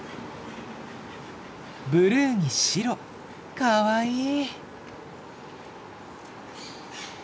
ブルーに白かわいい。